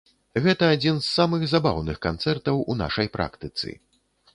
Гэта адзін з самых забаўных канцэртаў у нашай практыцы.